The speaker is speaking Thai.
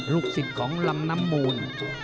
ลูกศิษย์ของลำน้ำมูล